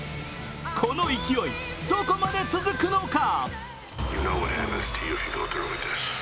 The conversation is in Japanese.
この勢い、どこまで続くのか？